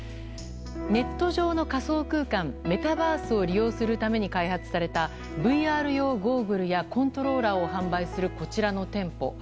ネット上の仮想空間メタバースを利用するために開発されたＶＲ用ゴーグルやコントローラーを販売するこちらの店舗。